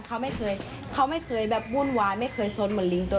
เขาไม่เคยบุ่นวานไม่เคยสนเหมือนลิงตัวอื่น